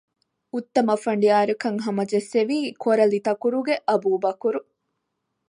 އުއްތަމަ ފަނޑިޔާާރަކަށް ހަމަޖެއްސެވީ ކޮރަލިތަކުރުގެ އަބޫބަކުރު